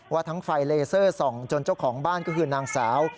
ทั้งไฟเลเซอร์ส่องจนเจ้าของบ้านก็คือนางสาว